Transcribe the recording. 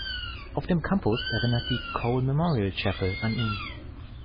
Auf dem Campus erinnert die Cole Memorial Chapel an ihn.